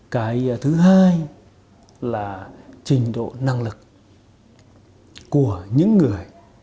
cái thứ hai là trình độ năng lực của những người